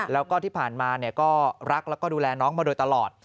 แล้วก็ที่ผ่านมาก็รักแล้วก็ดูแลน้องมาโดยตลอด